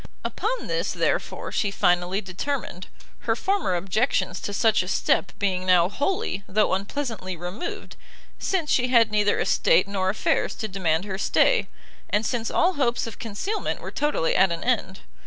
Upon this, therefore, she finally determined: her former objections to such a step being now wholly, though unpleasantly removed, since she had neither estate nor affairs to demand her stay, and since all hopes of concealment were totally at an end.